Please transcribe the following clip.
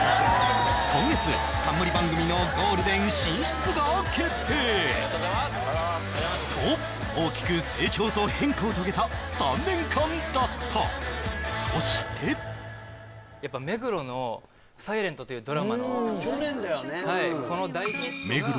今月冠番組のゴールデン進出が決定と大きく成長と変化を遂げた３年間だったそしてやっぱ目黒の「ｓｉｌｅｎｔ」というドラマの去年だよね